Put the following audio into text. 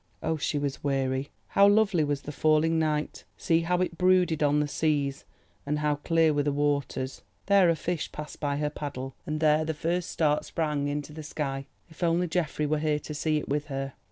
Oh, she was weary! How lovely was the falling night, see how it brooded on the seas! and how clear were the waters—there a fish passed by her paddle—and there the first start sprang into the sky! If only Geoffrey were here to see it with her.